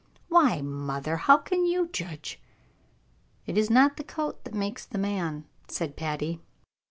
"Why, mother, how can you judge?" "It is not the coat that makes the man," said Patty.